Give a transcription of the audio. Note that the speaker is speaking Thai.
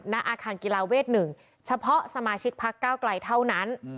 ณอาคารกีฬาเวท๑เฉพาะสมาชิกพักเก้าไกลเท่านั้น